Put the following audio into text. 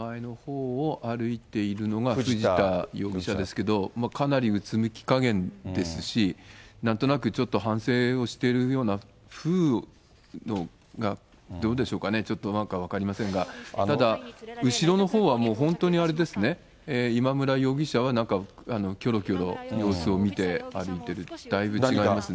前のほうを歩いているのが藤田容疑者ですけど、かなりうつむきかげんですし、なんとなくちょっと反省してるような風、どうでしょうかね、ちょっとなんか分かりませんが、ただ、後ろのほうはもう、本当にあれですね、今村容疑者はなんかきょろきょろ様子を見て歩いてる、だいぶ違いますね。